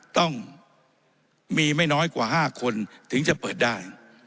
ต้องมีไม่น้อยกว่า๕คนถึงจะเปิดได้